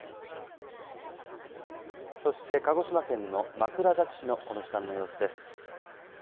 そして鹿児島県の枕崎市のこの時間の様子です。